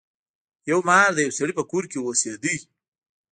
یو مار د یو سړي په کور کې اوسیده.